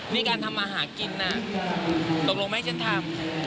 มีการทำมาหากินน่ะตกลงไม่ให้ฉันทำ